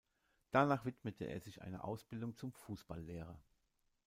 Danach widmete er sich einer Ausbildung zum Fußballlehrer.